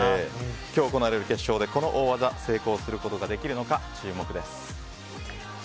今日行われる決勝で、この大技を成功することができるのか注目です。